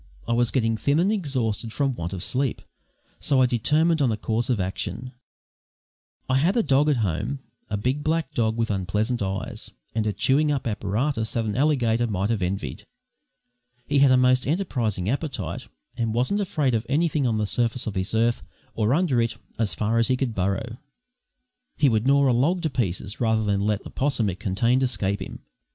I was getting thin and exhausted from want of sleep, so I determined on a course of action. I had a dog at home, a big black dog with unpleasant eyes, and a chewing up apparatus that an alligator might have envied. He had a most enterprising appetite, and wasn't afraid of anything on the surface of this earth or under it as far as he could burrow. He would gnaw a log to pieces rather than let the 'possum it contained escape him.